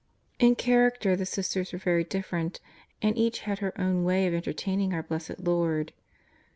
In character the sisters were very different, and each had her own way of entertaining our Blessed Lord.